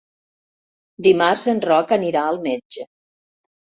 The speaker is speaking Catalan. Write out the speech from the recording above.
Dimarts en Roc anirà al metge.